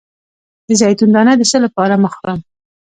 د زیتون دانه د څه لپاره مه خورم؟